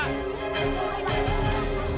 kamu apert seasoning vb